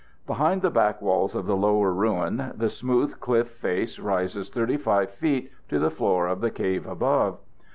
Behind the back walls of the lower ruin the smooth cliff face rises 35 feet to the floor of the cave above.